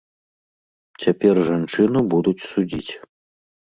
Цяпер жанчыну будуць судзіць.